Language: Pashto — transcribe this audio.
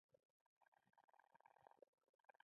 عیسویانو ته ځکه سپېڅلی دی.